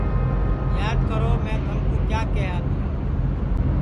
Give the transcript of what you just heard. یاد کرو میں تھمکُو کیا کیہیا تیا